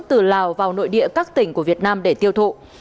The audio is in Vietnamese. từ lào vào nội địa các tỉnh của việt nam để tiêu thụ